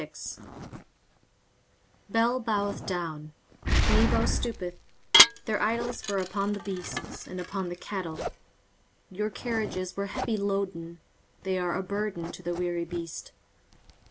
23:046:001 Bel boweth down, Nebo stoopeth, their idols were upon the beasts, and upon the cattle: your carriages were heavy loaden; they are a burden to the weary beast.